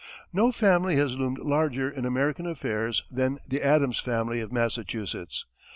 No family has loomed larger in American affairs than the Adams family of Massachusetts.